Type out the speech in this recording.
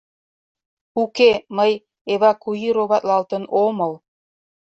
— Уке, мый эвакуироватлалтын омыл.